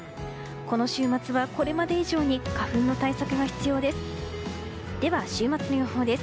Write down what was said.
この週末は、これまで以上に花粉の対策が必要です。